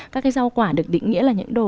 các cái rau quả được định nghĩa là những đồ